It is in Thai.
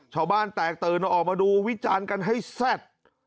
ชาวบ้านแตกตื่นออกมาดูวิจารณ์กันให้แซ่บ